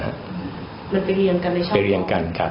มันไปเรียงกันในช่องไปเรียงกันค่ะ